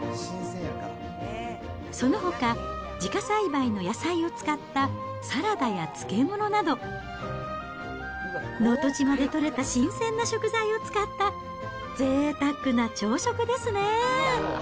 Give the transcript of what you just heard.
そのほか、自家栽培の野菜を使ったサラダや漬物など、能登島で取れた新鮮な食材を使った、ぜいたくな朝食ですね。